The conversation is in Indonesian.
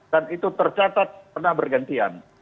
dan itu tercatat pernah bergantian